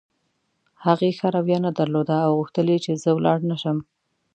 هغې ښه رویه نه درلوده او غوښتل یې چې زه ولاړ نه شم.